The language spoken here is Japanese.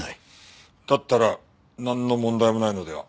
だったらなんの問題もないのでは？